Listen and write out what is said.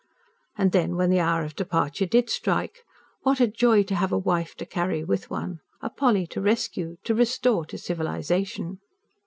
And then, when the hour of departure did strike, what a joy to have a wife to carry with one a Polly to rescue, to restore to civilisation!